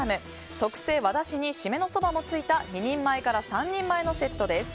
特製和だしに締めのそばがついた２人前から３人前のセットです。